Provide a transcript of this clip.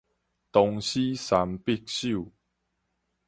唐詩三百首